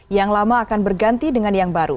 yang lama akan berganti dengan yang baru